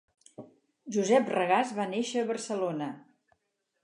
Josep Regàs va néixer a Barcelona.